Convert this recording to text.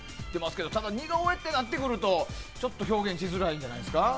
ただ、似顔絵となってくると表現しづらいんじゃないですか。